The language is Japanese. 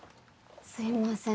すいません。